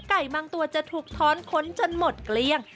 บางตัวจะถูกท้อนค้นจนหมดเกลี้ยง